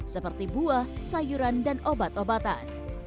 seperti buah sayuran dan obat obatan